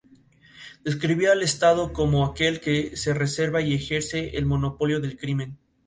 Describía al estado como aquel que ""se reserva y ejerce el monopolio del crimen"".